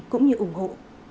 cũng như ủng hộ